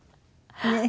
ねえ。